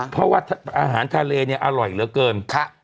เพราะว่าอาหารทะเลเนี่ยอร่อยเหลือเกิน